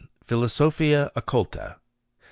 Philosophia Occulta. 2.